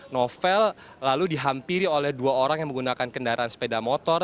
novel lalu dihampiri oleh dua orang yang menggunakan kendaraan sepeda motor